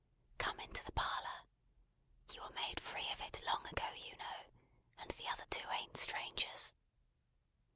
"Come into the parlour. You were made free of it long ago, you know; and the other two an't strangers.